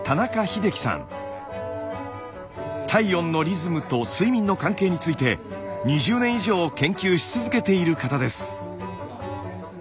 体温のリズムと睡眠の関係について２０年以上研究し続けている方です。